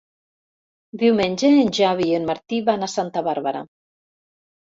Diumenge en Xavi i en Martí van a Santa Bàrbara.